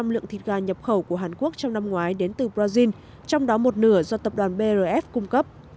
năm mươi lượng thịt gà nhập khẩu của hàn quốc trong năm ngoái đến từ brazil trong đó một nửa do tập đoàn brf cung cấp